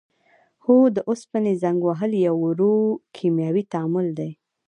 هو د اوسپنې زنګ وهل یو ورو کیمیاوي تعامل دی.